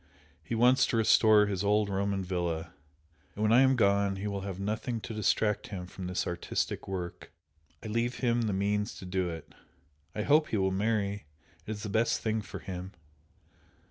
He wants to restore his old Roman villa and when I am gone he will have nothing to distract him from this artistic work, I leave him the means to do it! I hope he will marry it is the best thing for him!"